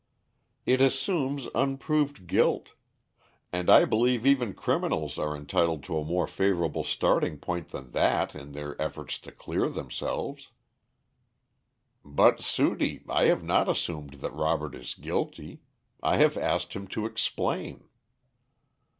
"It assumes unproved guilt; and I believe even criminals are entitled to a more favorable starting point than that in their efforts to clear themselves." "But, Sudie, I have not assumed that Robert is guilty. I have asked him to explain."